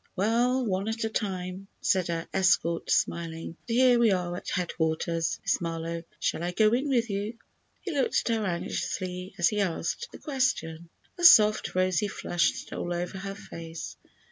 "Well, one at a time," said her escort, smiling; "but here we are at headquarters, Miss Marlowe. Shall I go in with you?" He looked at her anxiously as he asked the question. A soft, rosy flush stole over her face.